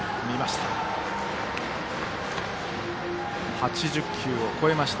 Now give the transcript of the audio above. ８０球を超えました。